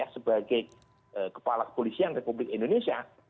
sebagai kepala kepolisian republik indonesia